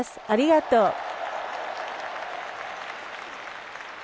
ありがとう！